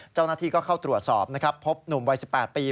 เจ้าหน้าที่ก็เข้าตรวจสอบนะครับพบหนุ่มวัย๑๘ปี